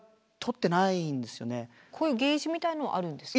こういうケージみたいなのはあるんですか？